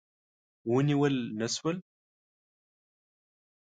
ونیول نه شول.